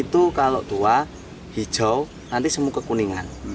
itu kalau tua hijau nanti semua kekuningan